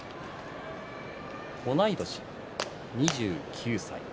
同い年、２９歳。